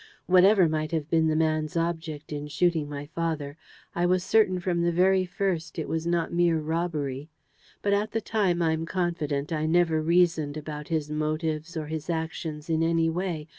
Whatever might have been the man's object in shooting my father, I was certain from the very first it was not mere robbery. But at the time, I'm confident, I never reasoned about his motives or his actions in any way.